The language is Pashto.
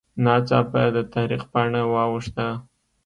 ناڅاپه د تاریخ پاڼه واوښته